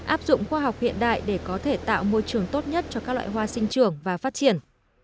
áp dụng khoa học hiện đại để có thể tạo môi trường tốt nhất cho các loại hoa sinh trường và phát triển